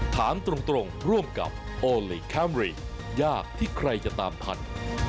ถามตรงร่วมกับโอลี่คัมรี่ยากที่ใครจะตามทัน